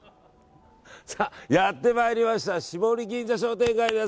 やってまいりました霜降銀座商店街です。